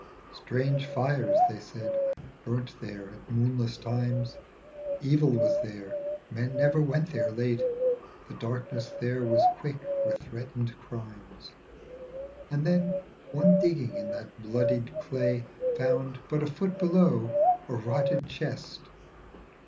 Strange fires (they said) burnt there at moonless times. Evil was there, men never went there late, The darkness there was quick with threatened crimes. And then one digging in that bloodied clay Found, but a foot below, a rotted chest.